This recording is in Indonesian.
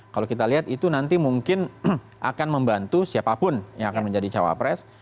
kalau kita lihat itu nanti mungkin akan membantu siapapun yang akan menjadi cawapres